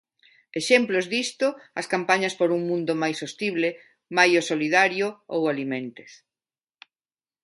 Exemplos disto, as campañas por un mundo máis sostible, Maio Solidario ou Alimentes.